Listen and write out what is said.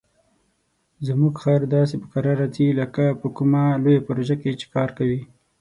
زموږ خر داسې په کراره ځي لکه په کومه لویه پروژه چې کار کوي.